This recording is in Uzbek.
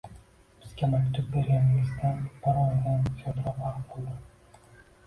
Bizga maktub berganingizdan bir oydan ziyodroq vaqt bo‘ldi.